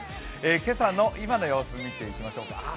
今朝の今の様子を見ていきましょうか。